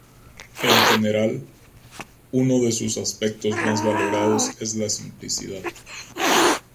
En general, uno de sus aspectos más valorados es la simplicidad.